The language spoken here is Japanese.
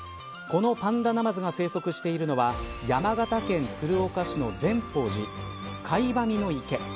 このパンダナマズが生息しているのは山形県鶴岡市の善宝寺貝喰池